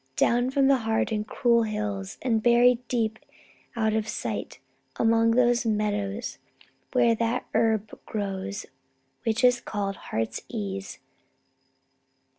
Down from the hard and cruel hills, and buried deep out of sight among those meadows where that herb grows which is called Heart's ease.